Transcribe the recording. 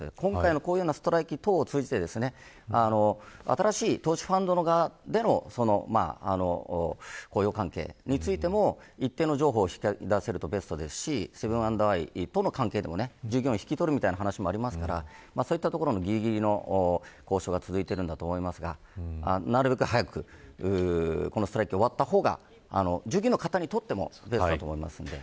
こういうストライキを通して新しい投資ファンド側での雇用関係についても一定の譲歩を引き出せるとベストですしセブン＆アイとの関係でも従業員を引き取るという話もありますからそういったところのぎりぎりの交渉が続いていると思いますがなるべく早くこのストライキが終わった方が従業員の方にとってもベストだと思います。